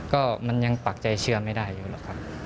ก็มันยังปักใจเชื่อไม่ได้อยู่หรอกครับ